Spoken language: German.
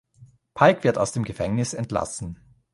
Pike wird aus dem Gefängnis entlassen.